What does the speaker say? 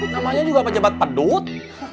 namanya juga pejabat pedut